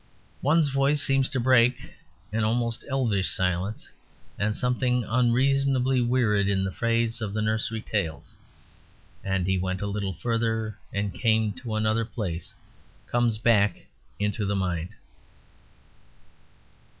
One's voice seems to break an almost elvish silence, and something unreasonably weird in the phrase of the nursery tales, "And he went a little farther and came to another place," comes back into the mind.